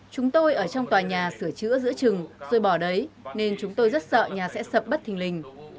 chúng tôi ở trong tòa nhà sửa chữa giữa trừng rồi bỏ đấy nên chúng tôi rất sợ nhà sẽ sập bất thình lình